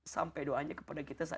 sampai doanya kepada kita